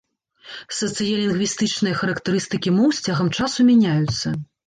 Сацыялінгвістычныя характарыстыкі моў з цягам часу мяняюцца.